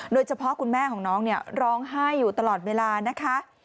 โดยเฉพาะคุณแม่ของน้องร้องไห้อยู่ตลอดเวลานะคะ